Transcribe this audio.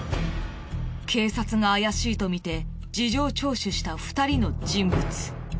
警察が怪しいとみて事情聴取した２人の人物。